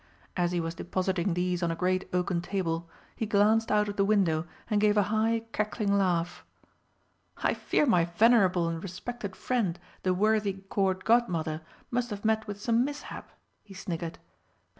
As he was depositing these on a great oaken table, he glanced out of the window and gave a high cackling laugh. "I fear my venerable and respected friend the worthy Court Godmother must have met with some mishap," he sniggered.